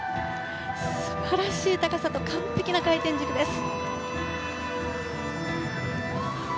素晴らしい高さと完璧な回転軸です。